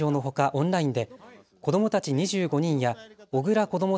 オンラインで子どもたち２５人や小倉こども